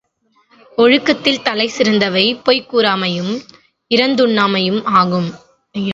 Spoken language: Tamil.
ஒழுக்கத்தில் தலை சிறந்தவை பொய் கூறாமையும், இரந்துண்ணாமையும் ஆகும்.